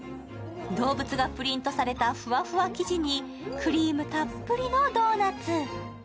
動物がプリントされたふわふわ生地にクリームたっぷりのドーナツ。